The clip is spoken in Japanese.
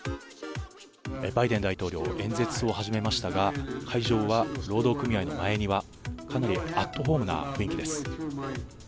バイデン大統領、演説を始めましたが、会場は労働組合の前庭、かなりアットホームな雰囲気です。